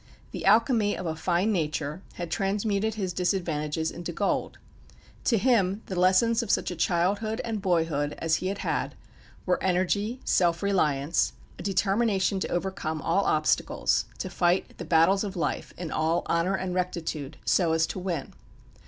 The alchemy of a fine nature had transmuted his disadvantages into gold. To him the lessons of such a childhood and boyhood as he had had, were energy, self reliance, a determination to overcome all obstacles, to fight the battles of life, in all honour and rectitude, so as to win.